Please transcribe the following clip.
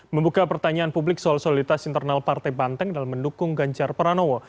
membuka pertanyaan publik soal soliditas internal partai banteng dalam mendukung ganjar pranowo